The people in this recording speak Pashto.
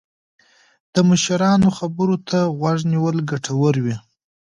د مشرانو خبرو ته غوږ نیول ګټور وي.